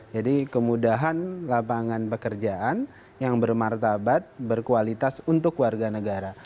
jadi kemudahan lapangan pekerjaan yang bermartabat berkualitas untuk warga negara